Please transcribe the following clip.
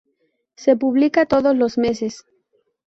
Se publica todos los meses.